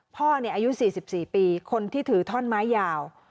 พ่อเนี่ยอายุสี่สิบสี่ปีคนที่ถือท่อนไม้ยาว